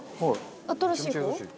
新しい方？